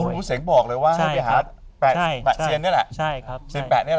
หลวงปู่เสงส์บอกเลยว่าไปหาแปะเซียนเนี่ยแหละ